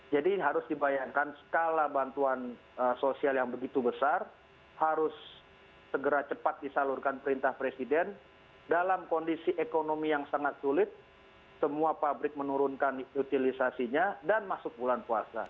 jadi harus dibayangkan skala bantuan sosial yang begitu besar harus segera cepat disalurkan perintah presiden dalam kondisi ekonomi yang sangat sulit semua pabrik menurunkan utilizasinya dan masuk bulan puasa